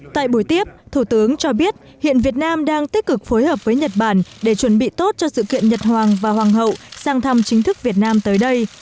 tại buổi tiếp thủ tướng cho biết hiện việt nam đang tích cực phối hợp với nhật bản để chuẩn bị tốt cho sự kiện nhật hoàng và hoàng hậu sang thăm chính thức việt nam tới đây